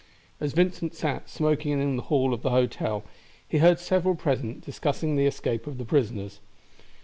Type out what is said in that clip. As Vincent sat smoking in the hall of the hotel he heard several present discussing the escape of the prisoners.